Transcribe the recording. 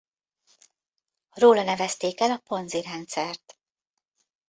Róla nevezték el a Ponzi-rendszert.